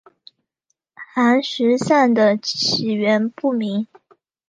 寒食散的起源不明。